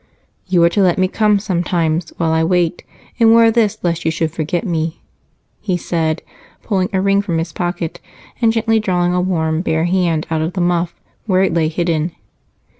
"You are to let me come sometimes while I wait, and wear this lest you should forget me," he said, pulling a ring from his pocket and gently drawing a warm, bare hand out of the muff where it lay hidden.